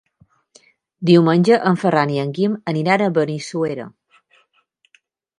Diumenge en Ferran i en Guim aniran a Benissuera.